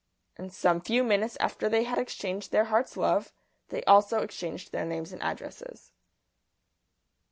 And some few minuter after they had exchanged their hearts' love, they also exchanged their names and addresses.